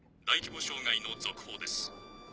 大規模障害の続報です。